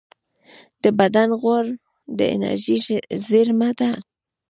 د بدن غوړ د انرژۍ زېرمه ده